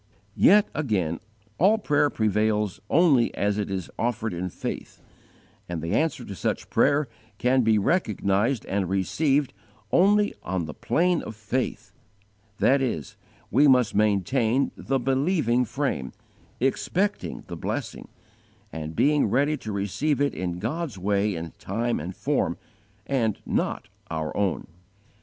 Yet again, all prayer prevails only as it is offered in faith; and the answer to such prayer can be recognized and received only on the plane of faith; that is, we must maintain the believing frame, expecting the blessing, and being ready to receive it in God's way and time and form, and not our own.